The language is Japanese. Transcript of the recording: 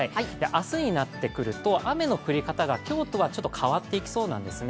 明日になってくると雨の降り方が今日とはちょっと変わってきそうなんですね。